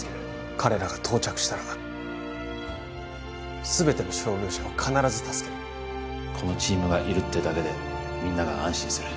彼らが到着したら全ての傷病者を必ず助けるこのチームがいるってだけでみんなが安心する